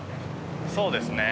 そうですね。